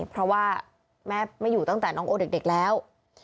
เพราะว่าแม่ไม่อยู่ตั้งแต่น้องโอเด็กแล้ว